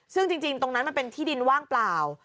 ซึ่งจริงตรงนั้นมันเป็นที่ดินว่างเปล่า